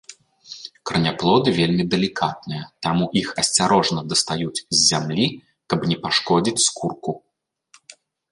Караняплоды вельмі далікатныя, таму іх асцярожна дастаюць з зямлі, каб не пашкодзіць скурку.